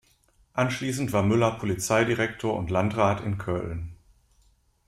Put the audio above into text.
Anschließend war Müller Polizeidirektor und Landrat in Köln.